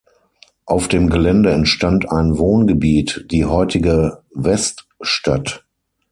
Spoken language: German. Auf dem Gelände entstand ein Wohngebiet, die heutige Weststadt.